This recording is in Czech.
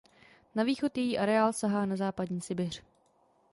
Na východ její areál sahá na západní Sibiř.